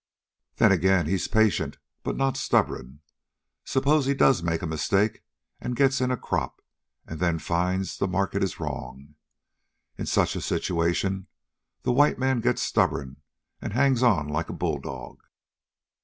"Then, again, he's patient but not stubborn. Suppose he does make a mistake, and gets in a crop, and then finds the market is wrong. In such a situation the white man gets stubborn and hangs on like a bulldog.